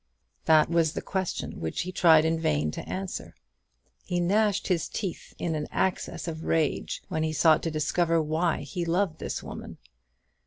That was the question which he tried in vain to answer. He gnashed his teeth in an access of rage when he sought to discover why he loved this woman.